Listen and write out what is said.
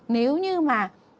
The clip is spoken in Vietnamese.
nếu như mà